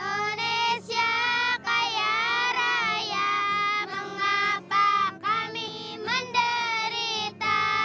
indonesia kaya raya mengapa kami menderita